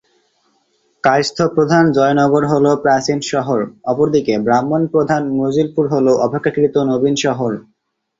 কায়স্থ প্রধান জয়নগর হল প্রাচীন শহর, অপরদিকে ব্রাহ্মণ প্রধান মজিলপুর হল অপেক্ষাকৃত নবীন শহর।